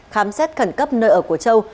khám xét khẩn cấp nơi ở của châu